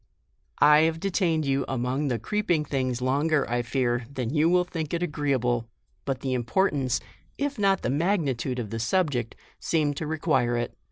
1 have detained you among the " creeping things" longer, I fear, than you will think it agreeable ; but the importance, if not the magnitude of the subject, seemed to require it.